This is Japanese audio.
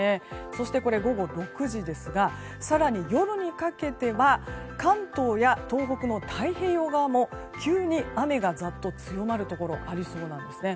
そして、こちらは午後６時ですが更に夜にかけては関東や東北の太平洋側も急に雨がざっと強まるところありそうなんですね。